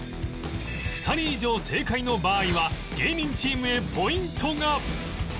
２人以上正解の場合は芸人チームへポイントが